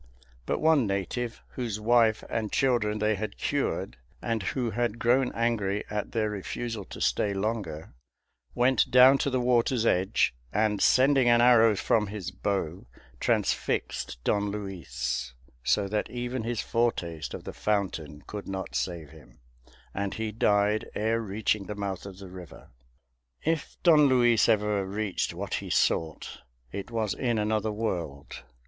But one native, whose wife and children they had cured, and who had grown angry at their refusal to stay longer, went down to the water's edge and, sending an arrow from his bow, transfixed Don Luis, so that even his foretaste of the Fountain could not save him, and he died ere reaching the mouth of the river. If Don Luis ever reached what he sought, it was in another world.